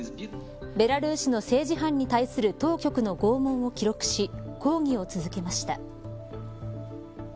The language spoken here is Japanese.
ベラルーシの政治犯に対する当局の拷問を記録し抗議を続けました。